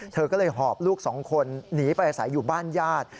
เธอก็เลยหอบลูกสองคนหนีไปอาศัยอยู่บ้านญาติ